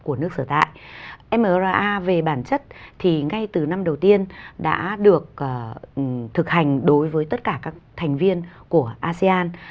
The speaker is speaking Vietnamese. ở nước sở tại mra về bản chất thì ngay từ năm đầu tiên đã được thực hành đối với tất cả các thành viên của asean